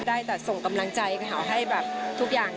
ได้แต่ส่งกำลังใจให้แบบทุกอย่าง